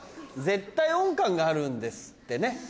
絶対音感があるんですってね？